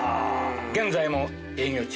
現在も営業中。